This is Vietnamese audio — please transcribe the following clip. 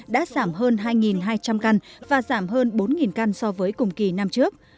đã giảm hơn hai hai trăm linh căn và giảm hơn bốn căn so với cùng kỳ năm trước